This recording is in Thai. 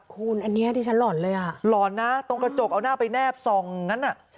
คุณอันนี้ดิฉันหล่อนเลยอ่ะหล่อนนะตรงกระจกเอาหน้าไปแนบส่องงั้นอ่ะ